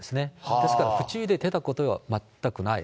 ですから、不注意で出たことは全くない。